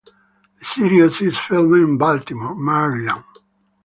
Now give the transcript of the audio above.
The series is filmed in Baltimore, Maryland.